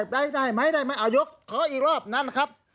ได้ไหมอายุกขออีกรอบนั่นครับ